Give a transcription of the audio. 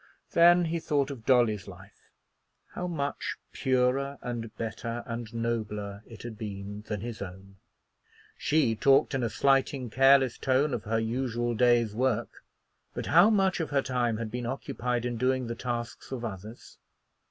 Then he thought of Dolly's life, how much purer and better and nobler it had been than his own. She talked in a slighting, careless tone of her usual day's work, but how much of her time had been occupied in doing the tasks of others?